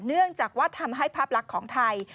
เนื่องจากว่าทำให้ภาพลักษณ์ของไทย